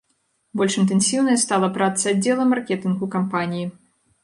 Больш інтэнсіўнай стала праца аддзела маркетынгу кампаніі.